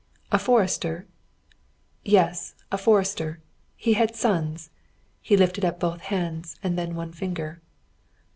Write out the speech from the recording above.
"A forester?" "Yes, a forester. He had sons" he lifted up both hands, and then one finger.